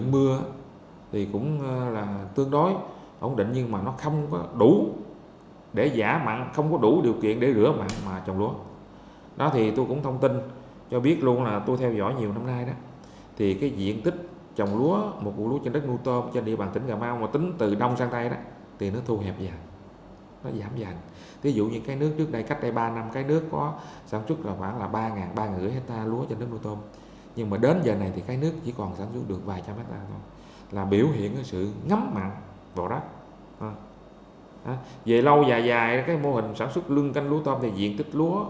về lâu dài dài cái mô hình sản xuất lưng canh lúa tôm thì diện tích lúa nó có khả năng nó sẽ giảm dài